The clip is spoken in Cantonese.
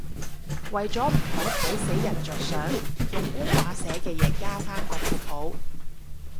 為咗唔好睇死人着想，用官話寫嘅嘢加返個括號